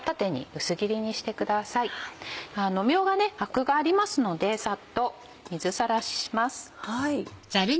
アクがありますのでサッと水さらしします。